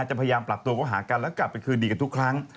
จะพยายามปรับตัวเขาหากันแล้วกลับไปคืนดีกันทุกครั้ง